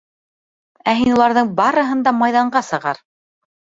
— Ә һин уларҙың барыһын да майҙанға сығар.